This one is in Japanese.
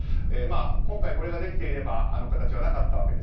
今回、これができていればあの形はなかったわけです